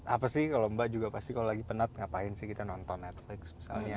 apa sih kalau mbak juga pasti kalau lagi penat ngapain sih kita nonton netflix misalnya